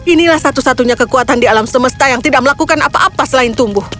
inilah satu satunya kekuatan di alam semesta yang tidak melakukan apa apa selain tumbuh